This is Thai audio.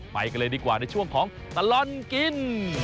ไปกันเลยดีกว่าในช่วงของตลอดกิน